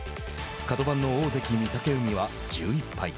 角番の大関・御嶽海は１１敗。